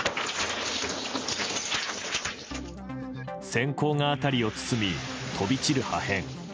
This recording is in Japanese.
閃光が辺りを包み、飛び散る破片。